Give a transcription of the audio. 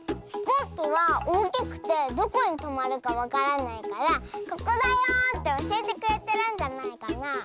ひこうきはおおきくてどこにとまるかわからないから「ここだよ！」っておしえてくれてるんじゃないかな。